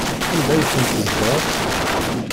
Anda ay ten-teddzeḍ?